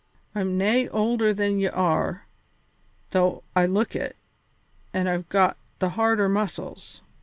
I'm nae older than ye are, though I look it, an' I've got the harder muscles.